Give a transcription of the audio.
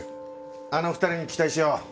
あの２人に期待しよう。